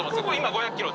５００キロ！